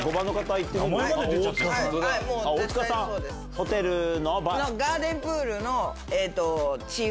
ホテルの？